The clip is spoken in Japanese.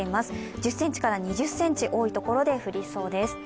１０ｃｍから２０ｃｍ、多い所で降りそうです。